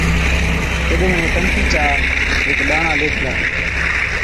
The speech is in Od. تِڏ وِڻهين ڪڻڪِي چا هيڪ ڏاڻا ليڌلا۔